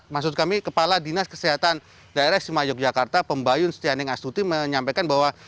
maksud kami kepala dinas kesehatan daerah istimewa yogyakarta pembayun setianing astuti menyampaikan bahwa